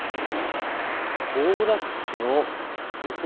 行楽地の予想